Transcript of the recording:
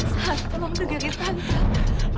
tante ria tolong dengerin tante